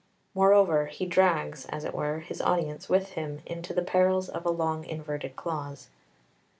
Moreover, he drags, as it were, his audience with him into the perils of a long inverted clause.